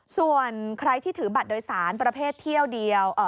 ส่วนใครที่ถือบัตรโดยสารประเภทเที่ยวเดียว